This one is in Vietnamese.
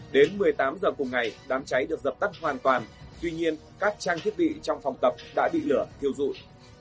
đến một mươi tám h cùng ngày đám cháy được dập tắt hoàn toàn tuy nhiên các trang thiết bị trong phòng tập đã bị lửa thiêu dụi